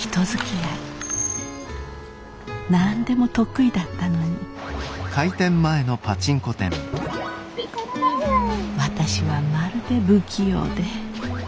何でも得意だったのに私はまるで不器用で。